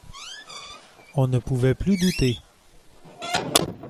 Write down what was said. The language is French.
On ne pouvait plus douter.